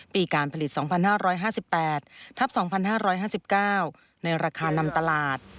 การผลิต๒๕๕๘ทับ๒๕๕๙ในราคานำตลาด